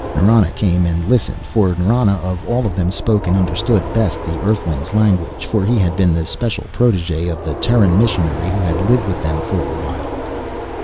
Nrana came and listened, for Nrana of all of them spoke and understood best the Earthling's language, for he had been the special protege of the Terran missionary who had lived with them for a while.